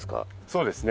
そうですね。